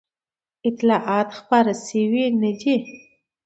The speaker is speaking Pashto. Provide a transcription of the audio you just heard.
اطلاعات خپاره شوي نه دي.